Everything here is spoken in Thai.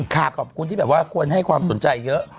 ขอบคุณที่แบบว่าควรให้ความสนใจเยอะ